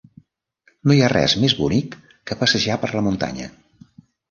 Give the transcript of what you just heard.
No hi ha res més bonic que passejar per la muntanya.